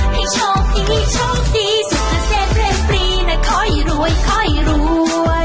ให้โชคดีโชคดีสุขเสธเรียบรีน่ะคอยรวยคอยรวย